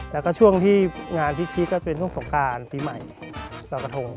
แล้วก็ช่วงที่งานพีคก็เป็นช่วงสงการปีใหม่รอยกระทง